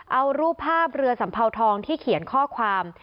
เอารูปภาพเรือสัมเภาทองที่เขียนข้อความ